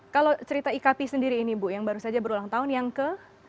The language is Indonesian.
kalau cerita ikp sendiri ini bu yang baru saja berulang tahun yang ke